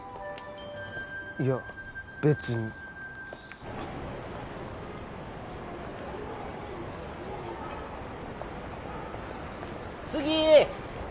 いや別に杉！